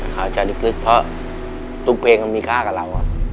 เข้าใจลึกเพราะทุกเพลงมันมีค่ากับเรา